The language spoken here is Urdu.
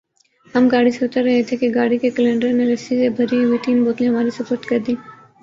ہم گاڑی سے اتر رہے تھے کہ گاڑی کے کلنڈر نے لسی سے بھری ہوئی تین بوتلیں ہمارے سپرد کر دیں ۔